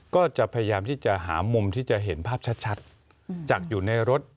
ก็จะพยายามที่จะหามุมที่จะเห็นภาพชัดจากอยู่ในรถ